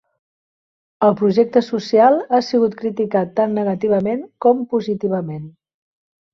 El projecte social ha sigut criticat tant negativament com positivament.